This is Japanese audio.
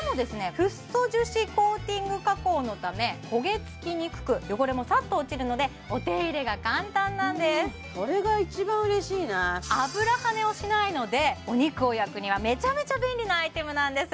フッ素樹脂コーティング加工のため焦げつきにくく汚れもさっと落ちるのでお手入れが簡単なんですそれが一番嬉しいな油はねをしないのでお肉を焼くにはめちゃめちゃ便利なアイテムなんです